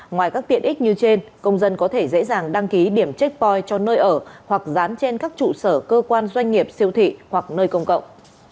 ngoài các tiện ích như trên công dân có thể dễ dàng đăng ký điểm checkpoy cho nơi ở hoặc dán trên các trụ sở cơ quan doanh nghiệp siêu thị hoặc nơi công cộng